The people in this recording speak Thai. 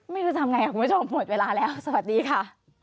ไม่รู้จะทำไงคุณผู้ชมหมดเวลาแล้วสวัสดีค่ะ